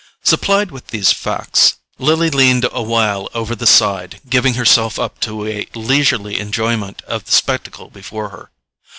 Supplied with these facts, Lily leaned awhile over the side, giving herself up to a leisurely enjoyment of the spectacle before her.